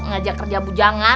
ngajak kerja bujangan